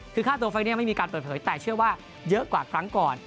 คือค่าตัวไฟล์นี้ไม่มีการเปิดเผยแต่เชื่อว่าเยอะกว่าครั้งก่อน